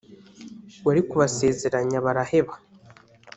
wari kubasezeranya baraheba